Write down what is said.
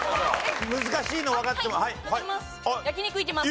難しいのわかっても。いきます。